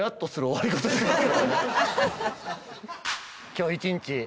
今日一日